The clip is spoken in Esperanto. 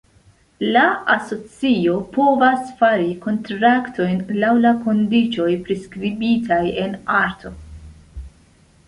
La Asocio povas fari kontraktojn, laŭ la kondiĉoj priskribitaj en art.